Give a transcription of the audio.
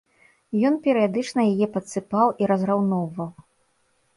Ён перыядычна яе падсыпаў і разраўноўваў.